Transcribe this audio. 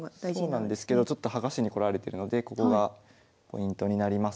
そうなんですけど剥がしにこられてるのでここがポイントになります。